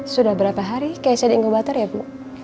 sudah berapa hari keisha di inggo bater ya bu